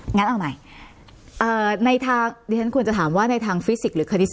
งั้นเอาใหม่ในทางดิฉันควรจะถามว่าในทางฟิสิกสหรือคณิสต